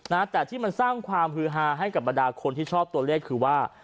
นะแต่ที่มันสร้างความฮือฮาให้กับบรรดาคนที่ชอบตัวเลขคือว่า